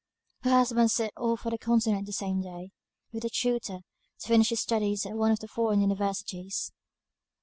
Her husband set off for the continent the same day, with a tutor, to finish his studies at one of the foreign universities.